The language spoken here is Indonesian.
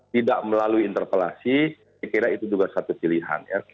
tidak melalui interpelasi saya kira itu juga satu pilihan ya